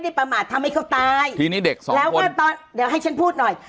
ได้ประมาททำให้เขาตายทีนี้เด็กสองคนเดี๋ยวให้ฉันพูดหน่อย